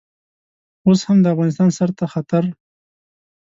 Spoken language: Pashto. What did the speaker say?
اوس هم د افغانستان سر ته خطر.